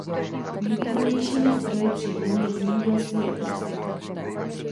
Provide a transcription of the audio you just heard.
Nejvýznamnějšími zdroji příjmů je zemědělství a turistika.